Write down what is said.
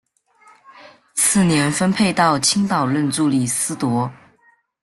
次年分配到青岛任助理司铎。